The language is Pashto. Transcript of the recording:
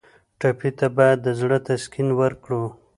ټپي ته باید د زړه تسکین ورکړو.